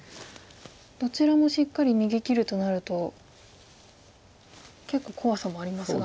どちらもしっかり逃げきるとなると結構怖さもありますが。